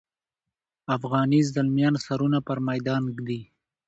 افغاني زلمیان سرونه پر میدان ږدي.